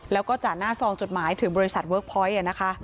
แล้วก็จ่าหน้าซองจดหมายถึงบริษัทเวิร์คพอยต์นะคะ